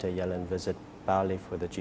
yang melawat bali untuk g dua puluh